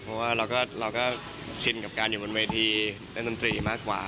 เพราะว่าเราก็ชินกับการอยู่บนเวทีเล่นดนตรีมากกว่า